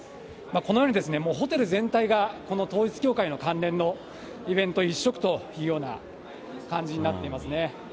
このようにもうホテル全体が、この統一教会の関連のイベント一色というような感じになっています